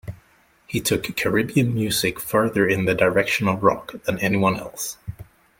He took Caribbean music further in the direction of rock than anyone else.